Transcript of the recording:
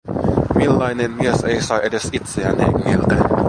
Millainen mies ei saa edes itseään hengiltä?